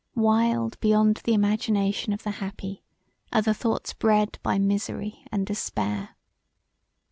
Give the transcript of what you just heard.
Wild beyond the imagination of the happy are the thoughts bred by misery and despair.